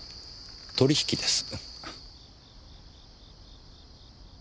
取引です。